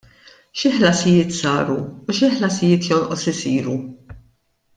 Xi ħlasijiet saru u xi ħlasijiet jonqos isiru?